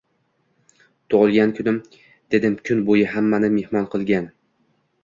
Tug‘ilgan kunim, deb kun bo‘yi hammani mehmon qilgan